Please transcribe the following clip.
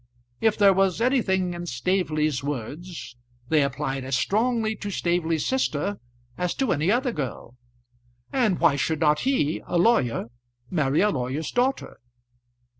If there was anything in Staveley's words, they applied as strongly to Staveley's sister as to any other girl. And why should not he, a lawyer, marry a lawyer's daughter?